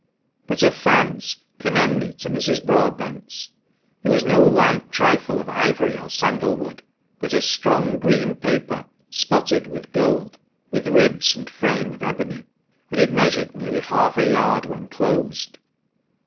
But of fans, commend me to Madame Broadbent's. It was no light trifle of ivory or sandal wood, but of strong green paper, spotted with gold, with ribs and frame of ebony, and it measured nearly half a yard when closed.